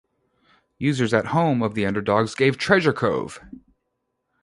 Users at Home of the Underdogs gave Treasure Cove!